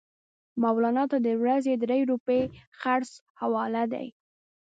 مولنا ته د ورځې درې روپۍ خرڅ حواله دي.